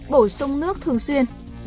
bổ sung nước thường xuyên